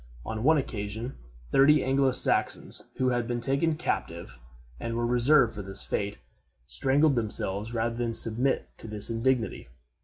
On one occasion, thirty Anglo Saxons, who had been taken captive and were reserved for this fate, strangled themselves rather than submit to this indignity.